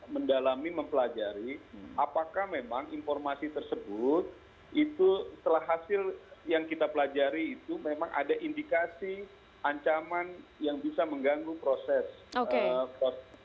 mendalami mempelajari apakah memang informasi tersebut itu setelah hasil yang kita pelajari itu memang ada indikasi ancaman yang bisa mengganggu proses